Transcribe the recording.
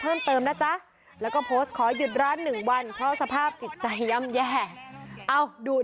เลิกเลิกเลิกเลิกเลิกเลิกเลิกเลิกเลิกเลิกเลิกเลิกเลิกเลิกเลิก